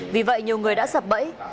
vì vậy nhiều người đã sập bẫy